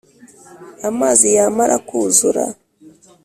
amazi yamará kuzura